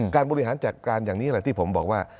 การบริหารจัดการอย่างนี้ที่ผมบอกว่า